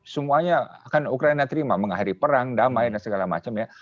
semuanya akan ukraina terima mengakhiri perang damai dan segala macam ya